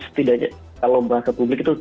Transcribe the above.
setidaknya kalau bahasa publik itu